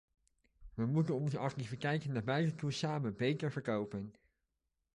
We moeten onze activiteiten naar buiten toe samen beter verkopen.